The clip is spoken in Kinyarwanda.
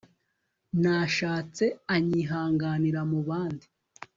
nashatse anyihanganira. mu bandi